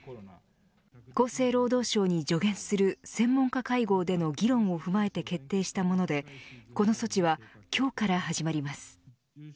厚生労働省に助言する専門家会合での議論を踏まえて決定したものでこの措置は今日から始まります。